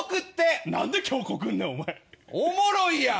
おもろいやん。